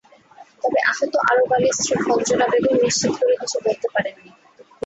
তবে আহত আরব আলীর স্ত্রী খঞ্জনা বেগম নিশ্চিত করে কিছু বলতে পারেননি।